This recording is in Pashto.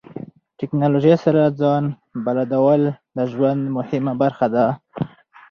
ټکنالوژي سره ځان بلدول د ژوند مهمه برخه ده.